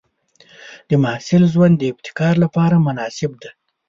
د محصل ژوند د ابتکار لپاره مناسب دی.